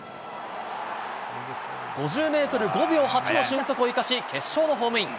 ５０メートル５秒８の俊足を生かし、決勝のホームイン。